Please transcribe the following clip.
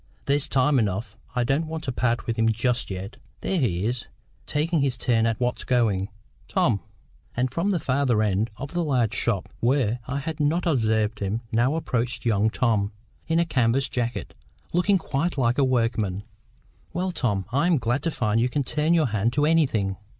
There's time enough. I don't want to part with him just yet. There he is, taking his turn at what's going. Tom!" And from the farther end of the large shop, where I had not observed him, now approached young Tom, in a canvas jacket, looking quite like a workman. "Well, Tom, I am glad to find you can turn your hand to anything."